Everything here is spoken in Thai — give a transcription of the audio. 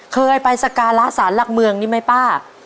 เคยไปสการะสารหลักเมืองนี่ไหมป้า